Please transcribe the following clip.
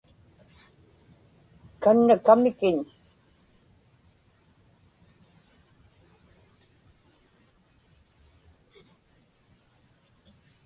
kanna kamikiñ